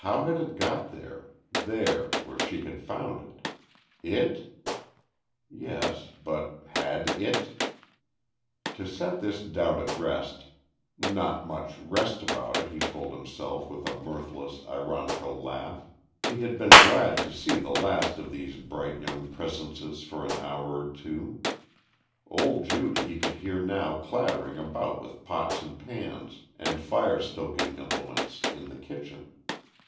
How had it got there there where she had found it? It? Yes, but had it? To set this doubt at rest not much "rest" about it, he told himself with a mirthless ironical laugh he had been glad to see the last of these bright young presences for an hour or two. Old Judy he could hear now clattering about with pots and pans and firestoking implements in the kitchen.